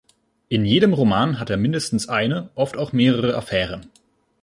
In jedem Roman hat er mindestens eine, oft auch mehrere Affären.